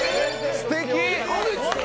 すてき！